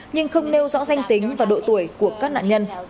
nhưng không nêu rõ danh tính và độ tuổi của các nạn nhân